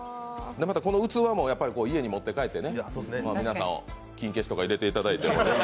またこの器も家に持ってかえって、皆さん筋消しとか入れていただいて。